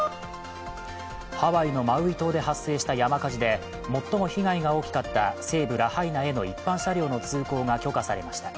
ハワイのマウイ島で発生した山火事で最も被害が大きかった西部ラハイナへの一般車両の通行が許可されました。